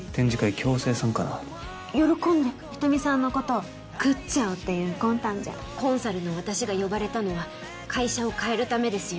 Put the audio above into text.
強制参加な喜んで人見さんのこと食っちゃおうっていう魂胆じゃコンサルの私が呼ばれたのは会社を変えるためですよ